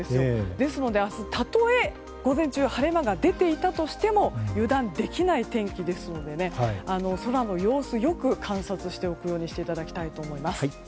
ですので明日、たとえ午前中晴れ間が出ていたとしても油断できない天気ですので空の様子をよく観察しておくようにしていただきたいと思います。